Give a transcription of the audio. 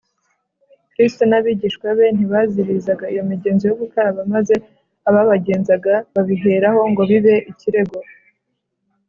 kristo n’abigishwa be ntibaziririzaga iyo migenzo yo gukaraba, maze ababagenzaga babiheraho ngo bibe ikirego